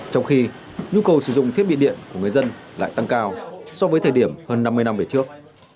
trong khi nhu cầu sử dụng thiết bị điện của người dân lại tăng cao so với thời điểm hơn năm mươi năm về trước